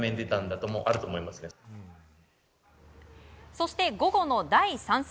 そして、午後の第３戦。